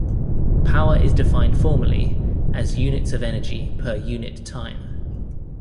Power is defined formally as units of energy per unit time.